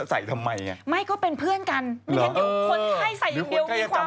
ใช่ให้มันอยู่ในแบบว่า